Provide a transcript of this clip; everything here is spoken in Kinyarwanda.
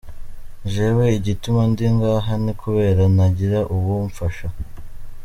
Jewe igituma ndi ngaha ni kubera ntagira uwumfasha.